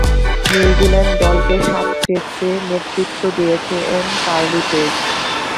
New Zealand দলকে সাত টেস্টে নেতৃত্ব দিয়েছেন কার্লি পেজ।